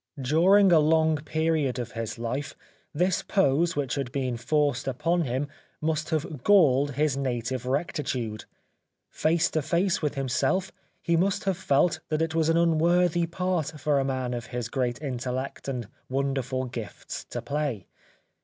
During a long period of his life this pose which had been forced upon him must have galled his native rectitude. Face to face with himself he must have felt that it was an unworthy part for a man of his great intellect and wonderful gifts to play.